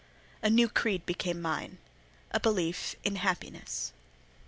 A new creed became mine—a belief in happiness.